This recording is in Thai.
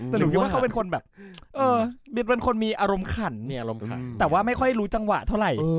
แต่หรือว่าเขาเป็นคนแบบเออมีอารมณ์ขันแต่ว่าไม่ค่อยรู้จังหวะเท่าไหร่